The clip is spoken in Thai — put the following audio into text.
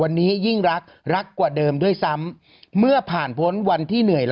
อึกอึกอึกอึกอึกอึกอึกอึกอึก